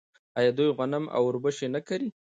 آیا دوی غنم او وربشې نه کري؟